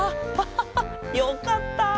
ハハハよかった！